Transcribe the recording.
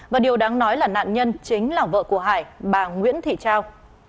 và điều đáng nói là nạn nhân chính là vợ của hải bà nguyễn thị trao